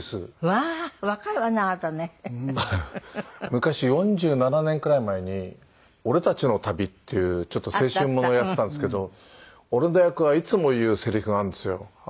昔４７年くらい前に『俺たちの旅』っていうちょっと青春ものをやってたんですけど俺の役はいつも言うせりふがあるんですよ。